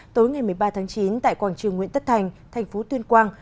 tối ngày một mươi ba tháng chín tại quảng trường nguyễn tất thành thành phố tuyên quang